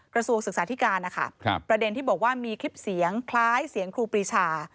กระทรวงศึกษาธิการนะคะประเด็นที่บอกว่ามีคลิปเสียงคล้ายเสียงครูปรีชา